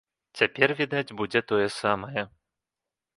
Цяпер, відаць, будзе тое самае.